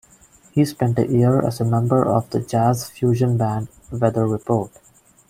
He spent a year as a member of the jazz fusion band, Weather Report.